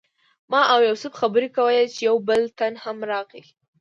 ما او یوسف خبرې کولې چې یو بل تن هم راغی.